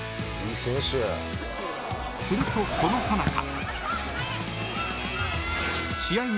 ［するとそのさなか］